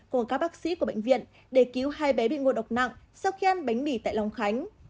của các bác sĩ của bệnh viện để cứu hai bé bị ngộ độc nặng sau khi ăn bánh mì tại long khánh